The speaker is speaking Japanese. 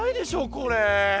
これ。